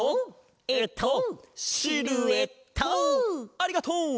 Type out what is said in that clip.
ありがとう！